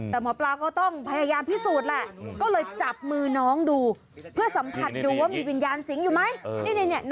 แต่หมอปลาก็ต้องพยายามพิสูจน์แหละ